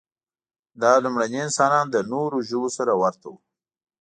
دا لومړني انسانان له نورو ژوو سره ورته وو.